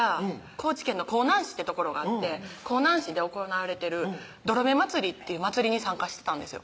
高知県の香南市って所があって香南市で行われてるどろめ祭りっていう祭りに参加してたんですよ